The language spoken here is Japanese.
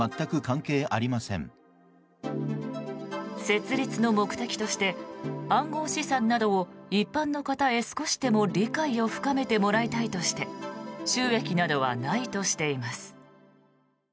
設立の目的として暗号資産などを一般の方へ少しでも理解を深めてもらいたいとして収益などはないとしています。